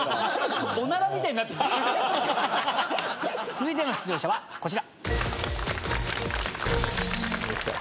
続いての出場者はこちら。